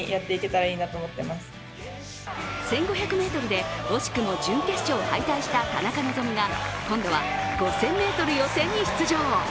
１５００ｍで惜しくも準決勝敗退した田中希実が今度は５０００ｍ予選に出場。